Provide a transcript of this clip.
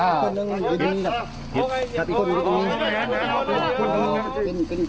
อีกคนหนึ่งอีกคนหนึ่งอีกคนหนึ่งอีกคนหนึ่ง